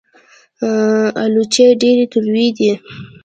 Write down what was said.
الوچې ډېرې تروې دي